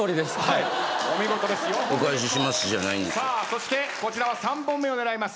そしてこちら３本目を狙います